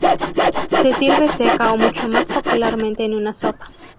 Se sirve seca o mucho más popularmente en una sopa.